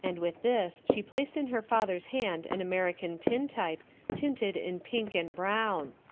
With this she placed in her father's hand an American tin type, tinted in pink and brown.